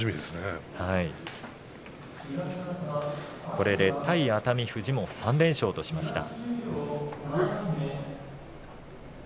これで対熱海富士も３連勝としました。